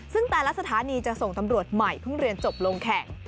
สถานีจะส่งตำรวจใหม่เพิ่งเรียนจบลงแข่ง